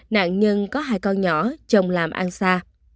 nạn nhân có hai con nhỏ chồng làm ăn xa